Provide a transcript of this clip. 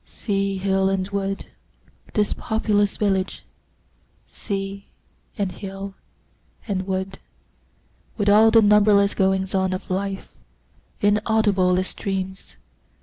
Sea, hill, and wood, This populous village! Sea, and hill, and wood, With all the numberless goings on of life, Inaudible as dreams!